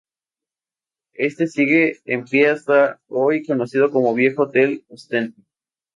Este sigue en pie hasta hoy conocido como "Viejo Hotel Ostende".